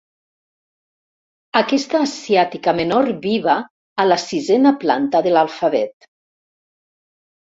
Aquesta asiàtica menor viva a la sisena planta de l'alfabet.